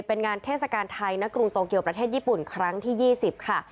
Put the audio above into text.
เป็นงานเทศกาลไทยณกรุงโตเกียวประเทศญี่ปุ่นครั้งที่๒๐ค่ะ